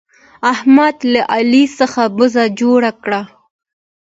احمد له علي څخه بزه جوړه کړه.